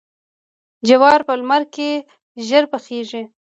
جوار په لمر کې ژر پخیږي.